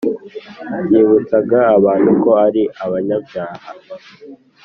byibutsaga abantu ko ari abanyabyaha